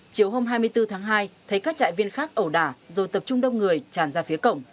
chiều hôm hai mươi bốn tháng hai thấy các trại viên khác ẩu đả rồi tập trung đông người tràn ra phía cổng